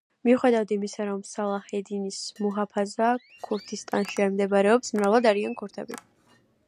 მიუხედავად იმისა, რომ სალაჰ-ედ-დინის მუჰაფაზა ქურთისტანში არ მდებარეობს, მრავლად არიან ქურთები.